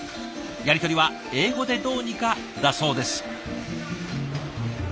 やり取りは英語でどうにかだそうです。